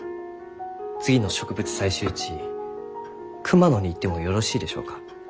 次の植物採集地熊野に行ってもよろしいでしょうか？